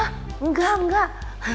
ah enggak enggak